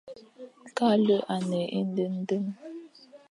Kale à ne éndendem,